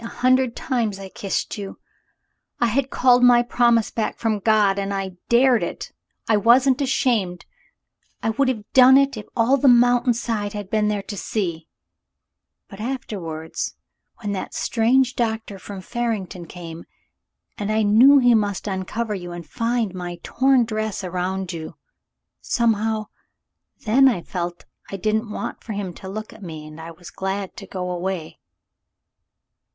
"A hundred times I kissed you. I had called my promise back from God — and I dared it. I wasn't ashamed. I would have done it if all the mountain side had been there to see — but afterwards — when that strange doctor from Faring ton came, and I knew he must uncover you and find my torn dress around you — somehow, then I felt I didn't want for him to look at me, and I was glad to go away."